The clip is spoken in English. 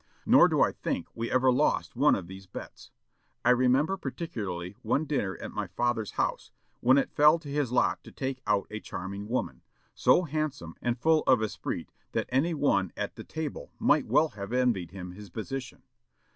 Nor do I think we ever lost one of these bets. I remember particularly one dinner at my father's house, when it fell to his lot to take out a charming woman, so handsome and full of esprit that any one at the table might well have envied him his position.